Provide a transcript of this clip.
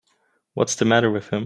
What's the matter with him.